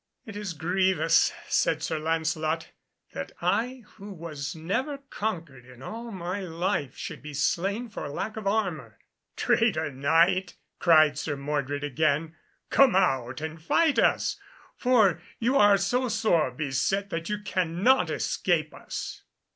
"It is grievous," said Sir Lancelot, "that I who was never conquered in all my life should be slain for lack of armour." "Traitor Knight," cried Sir Mordred again, "come out and fight us, for you are so sore beset that you cannot escape us."